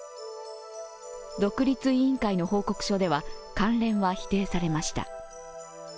独立委員会の報告書では関連は否定されました。